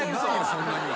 そんなには。